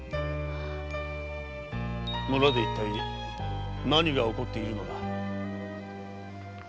⁉村で一体何が起こっているのだ。